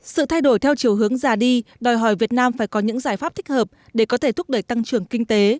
sự thay đổi theo chiều hướng già đi đòi hỏi việt nam phải có những giải pháp thích hợp để có thể thúc đẩy tăng trưởng kinh tế